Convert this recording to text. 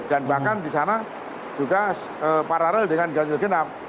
dan bahkan disana juga paralel dengan ganjil genap